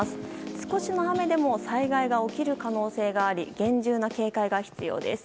少しの雨でも災害が起きる可能性があり厳重な警戒が必要です。